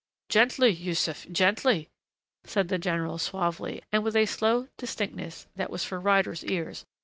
"Gently, Yussuf, gently," said the general, suavely and with a slow distinctness that was for Ryder's ears.